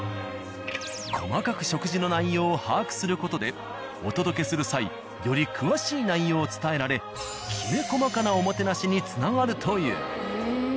細かく食事の内容を把握する事でお届けする際より詳しい内容を伝えられきめ細かなおもてなしにつながるという。